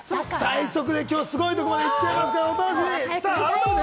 最速ですごいところまでいっちゃいますので、お楽しみに。